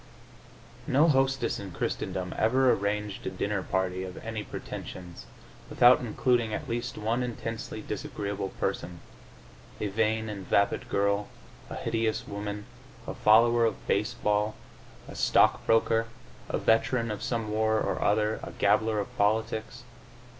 No hostess in Christendom ever arranged a dinner party of any pretensions without including at least one intensely disagreeable person a vain and vapid girl, a hideous woman, a follower of baseball, a stock broker, a veteran of some war or other, a gabbler of politics.